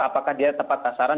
apakah dia tepat sasaran